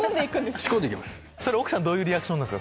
仕込んで行きます。